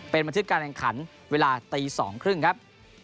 เป็นบันทึกการแข่งขันเวลาตี๒๓๐ครับ